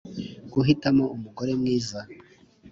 Guhitamo umugore mwiza